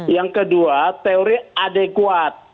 yang kedua teori adekuat